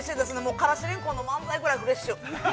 からし蓮根の漫才ぐらいフレッシュ！